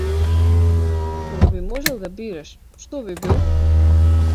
Кога би можел да бираш, што би бил?